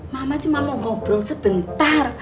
mama cuma mau ngobrol sebentar